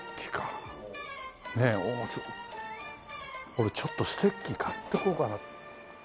俺ちょっとステッキ買ってこうかな。